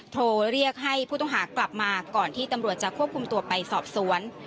โทรเรียกให้ผู้ต้องหากลับมาก่อนที่ตำรวจจะควบคุมตัวไปสอบสวน